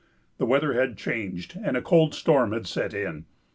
The weather had changed, and a cold storm had set in.